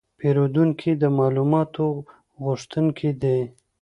پیرودونکي د معلوماتو غوښتونکي دي.